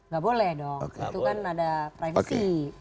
gak boleh dong itu kan ada privasi